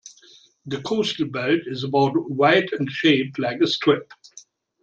The coastal belt is about wide and shaped like a strip.